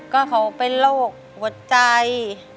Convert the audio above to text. ก็เขาเป็นโรคหัวใจ